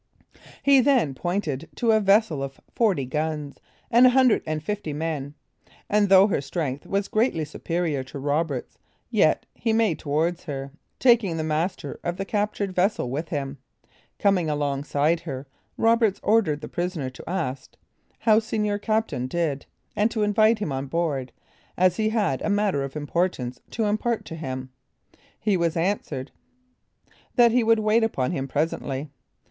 He then pointed to a vessel of forty guns, and a hundred and fifty men; and though her strength was greatly superior to Roberts', yet he made towards her, taking the master of the captured vessel along with him. Coming alongside of her, Roberts ordered the prisoner to ask, "How Seignior Captain did?" and to invite him on board, as he had a matter of importance to impart to him. He was answered, "That he would wait upon him presently."